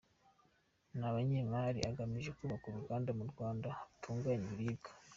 ry‟Abanyemari agamije kubaka Uruganda mu Rwanda rutunganya ibiribwa